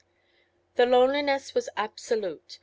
The loneliness was absolute.